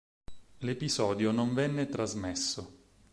L'episodio non venne trasmesso.